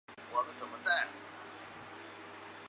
本鱼栖息在舄湖与外礁斜坡的珊瑚丰富的区域。